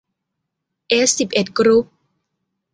เอสสิบเอ็ดกรุ๊ป